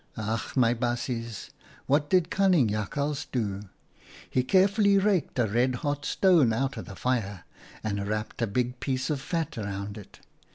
" Ach ! my baasjes, what did cunning Jakhals do ? He carefully raked a red hot stone out of the fire and wrapped a big piece of fat round it.